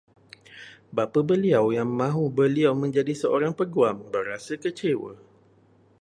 Bapa beliau yang mahu beliau menjadi seorang peguam, berasa kecewa